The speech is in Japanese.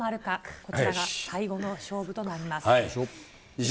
こちらが最後の勝負となります。